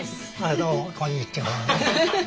どうもこんにちは。